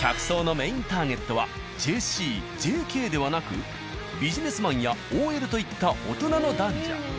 客層のメインターゲットはＪＣＪＫではなくビジネスマンやＯＬといった大人の男女。